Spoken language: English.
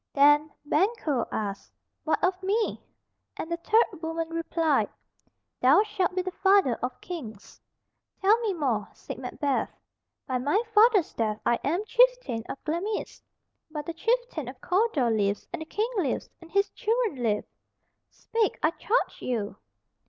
Then Banquo asked, "What of me?" and the third woman replied, "Thou shalt be the father of kings." "Tell me more," said Macbeth. "By my father's death I am chieftain of Glamis, but the chieftain of Cawdor lives, and the King lives, and his children live. Speak, I charge you!"